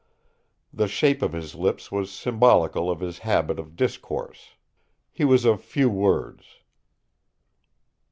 The shape of his lips was symbolical of his habit of discourse; he was of few words.